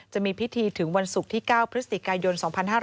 จะมีพิธีถึงวันศุกร์ที่๙พฤศจิกายน๒๕๕๙